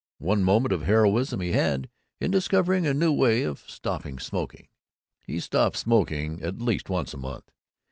One moment of heroism he had, in discovering a new way of stopping smoking. He stopped smoking at least once a month.